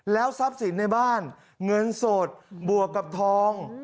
ทรัพย์สินในบ้านเงินสดบวกกับทอง